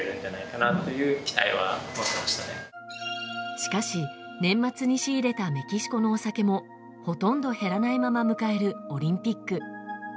しかし、年末に仕入れたメキシコのお酒もほとんど減らないまま迎えるオリンピック。